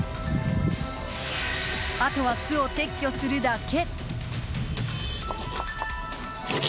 あとは巣を撤去するだけ。